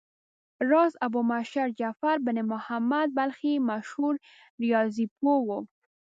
راز ابومعشر جعفر بن محمد بلخي مشهور ریاضي پوه و.